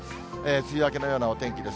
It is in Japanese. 梅雨明けのようなお天気です。